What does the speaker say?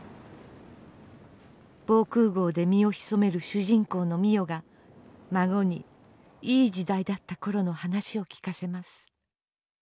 防空壕で身を潜める主人公の美世が孫に「いい時代」だった頃の話を聞かせます。